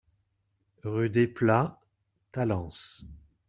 Rue Desplats, Talence